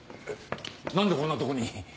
何でこんなとこに？